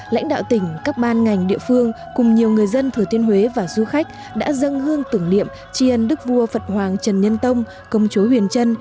lãnh đạo tỉnh các ban ngành địa phương cùng nhiều người dân thừa thiên huế và du khách đã dâng hương tưởng niệm tri ân đức vua phật hoàng trần nhân tông công chúa huyền trân